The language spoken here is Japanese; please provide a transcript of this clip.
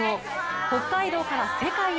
北海道から世界へ。